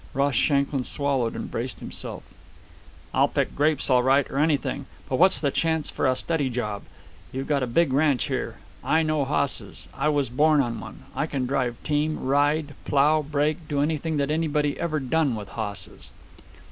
Ross Shanklin swallowed and braced himself. "I'll pick grapes all right, or anything. But what's the chance for a steady job? You've got a big ranch here. I know hosses. I was born on one. I can drive team, ride, plough, break, do anything that anybody ever done with hosses."